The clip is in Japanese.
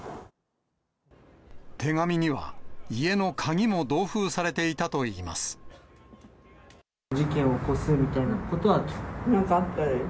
手紙には、家の鍵も同封され事件を起こすみたいなことは？